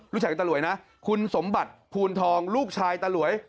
ลูกชายของตาหลวยนะคุณสมบัติภูนทองลูกชายตาหลวย